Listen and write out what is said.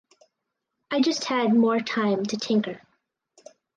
I just had more time to tinker.